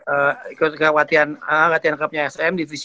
eee ikut ke latihan ee latihan clubnya sm divisi dua